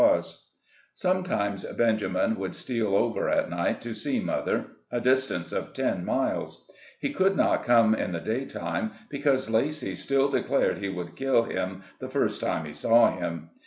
14 SLAVE CABIN TO PULPIT. Sometimes Benjamin would steal over at night to see mother (a distance of ten miles). He could not come in the day time, because Lacy still declared he would kill him the first time he saw him.